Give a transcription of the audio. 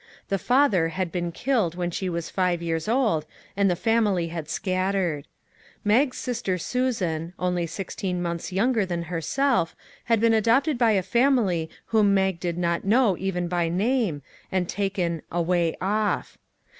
The father had been killed when she was five years old, and the family had scattered. Mag's sis ter Susan, only sixteen months younger than herself, had been adopted by a family whom Mag did not know even by name, and taken " away off."